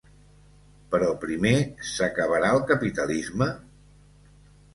Però primer: s’acabarà el capitalisme?